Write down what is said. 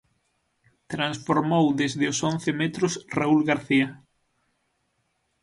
Transformou desde os once metros Raúl García.